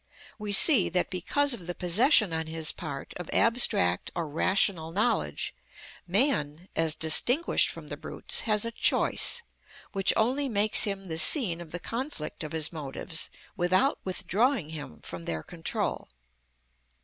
We see that because of the possession on his part of abstract or rational knowledge, man, as distinguished from the brutes, has a choice, which only makes him the scene of the conflict of his motives, without withdrawing him from their control.